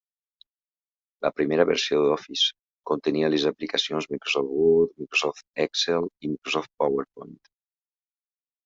La primera versió d'Office contenia les aplicacions Microsoft Word, Microsoft Excel i Microsoft PowerPoint.